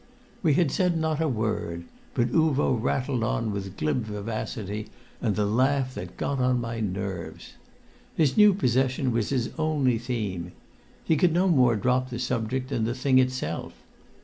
We had said not a word, but Uvo rattled on with glib vivacity and the laugh that got upon my nerves. His new possession was his only theme. He could no more drop the subject than the thing itself.